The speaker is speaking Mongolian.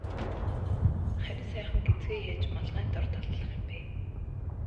Харин сайхан гэзгээ яаж малгайн дор далдлах юм бэ?